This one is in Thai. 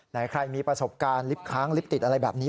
ไหนใครมีประสบการณ์ลิฟต์ค้างลิฟต์ติดอะไรแบบนี้